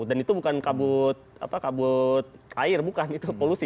dan itu bukan kabut air bukan itu polusi